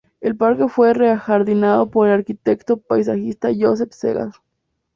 El parque fue re-ajardinado por el arquitecto paisajista Joseph Segal.